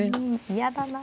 嫌だな。